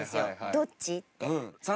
どっち？って。